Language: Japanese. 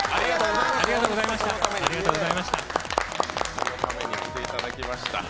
このために来ていただきました。